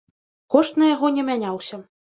Кошт на яго не мяняўся.